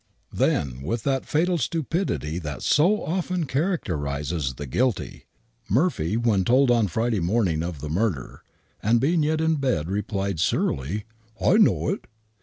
Then, with that fatal stupidity that so often characterizes the guilty. Murphy, when told on Friday morning of the miirder, and, being yet in bed, replied, surlily, " I know it."